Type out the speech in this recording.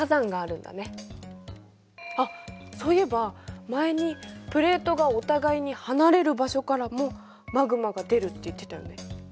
あっそういえば前にプレートがお互いに離れる場所からもマグマが出るって言ってたよね。